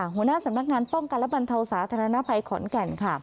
หัวหน้าสำนักงานป้องกันและบรรเทาสาธารณภัยขอนแก่นค่ะ